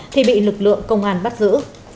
thì bị lực lượng công an bắt giữ